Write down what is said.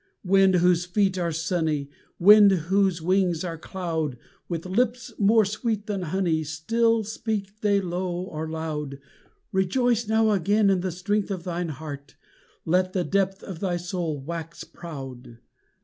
Wind whose feet are sunny, Wind whose wings are cloud, With lips more sweet than honey Still, speak they low or loud, Rejoice now again in the strength of thine heart: let the depth of thy soul wax proud.